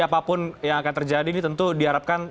apapun yang akan terjadi ini tentu diharapkan